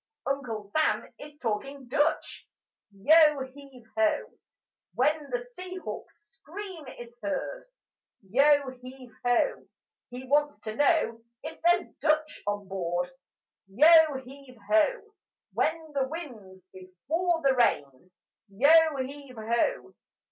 Uncle Sam is talking Dutch: Yo heave ho! When the sea hawk's scream is heard, Yo heave ho! He wants to know if there's Dutch on board: Yo heave ho! When the wind's before the rain, Yo heave ho!